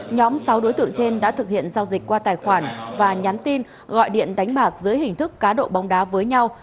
nhóm sáu đối tượng trên đã thực hiện giao dịch qua tài khoản và nhắn tin gọi điện đánh bạc dưới hình thức cá độ bóng đá với nhau